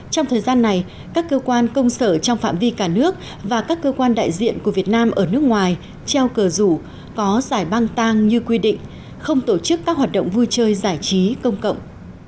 trong thời gian này các cơ quan công sở trong phạm vi cả nước và các cơ quan đại diện của việt nam ở nước ngoài treo cờ rủ có giải băng tang như quy định không tổ chức các hoạt động vui chơi giải trí công cộng